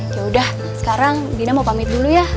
yaudah sekarang dina mau pamit dulu ya